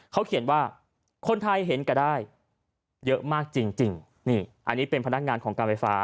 เขาเขียนว่าคนไทยเห็นกันได้เยอะมากจริง